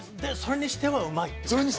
それにしては、うまい。